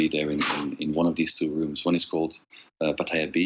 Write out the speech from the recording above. ที่เขาคิดว่ามันคงได้อยู่